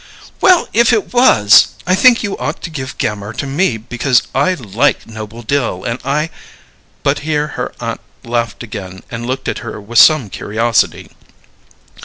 "Well, if it was, I think you ought to give Gammire to me because I like Noble Dill, and I " But here her aunt laughed again and looked at her with some curiosity.